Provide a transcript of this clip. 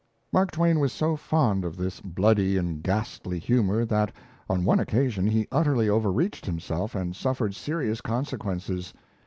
Mark Twain was so fond of this bloody and ghastly humour that, on one occasion, he utterly overreached himself and suffered serious consequences.